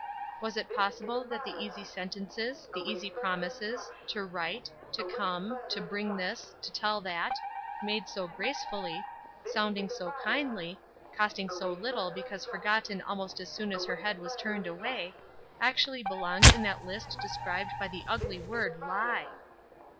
Was it possible that the easy sentences, the easy promises, to "write," to "come," to "bring this," to "tell that," made so gracefully, sounding so kindly, costing so little because forgotten almost as soon as her head was turned away, actually belonged in that list described by the ugly word "lie."